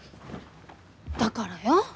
だからよ。